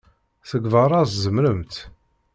Seg beṛṛa, tzemremt.